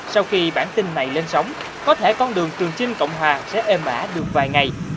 sau khi bản tin này lên sóng có thể con đường trường chinh cộng hòa sẽ êm mã được vài ngày